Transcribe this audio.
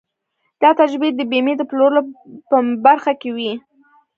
دا تجربې د بيمې د پلورلو په برخه کې وې.